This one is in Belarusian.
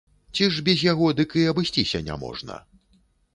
Ці ж без яго дык і абысціся няможна.